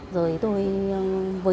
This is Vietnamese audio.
rồi tôi với kéo ông ra